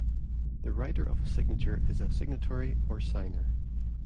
The writer of a signature is a signatory or signer.